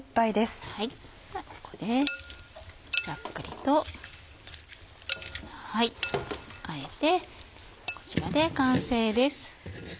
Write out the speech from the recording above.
ここでざっくりとあえてこちらで完成です。